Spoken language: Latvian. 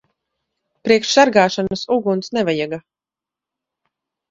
Priekš sargāšanas uguns nevajaga.